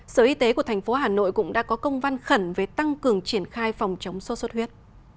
sở y tế của thành phố hà nội cũng đã có công văn khẩn về tăng cường triển khai phòng chống sốt xuất huyết